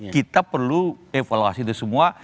kita perlu evaluasi itu semua